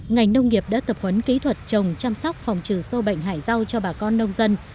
ngành nông nghiệp đã tập huấn kỹ thuật trồng chăm sóc phòng trừ sâu bệnh hải rau cho bà con nông dân